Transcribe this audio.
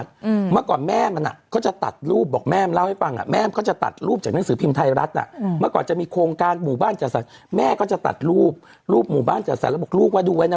แต่หมายถึงไม่ใช่คนเชื่อไม่ใช่แค่หลัก๑๐หลักร้อยเหรอ